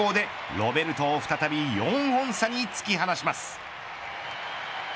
ロベルトを再び４本差に突き放します。